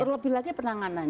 terlebih lagi penanganan